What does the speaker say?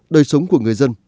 đời sống của người dân